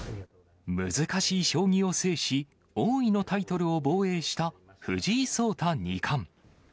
難しい将棋を制し、王位のタイトルを防衛した藤井聡太二冠。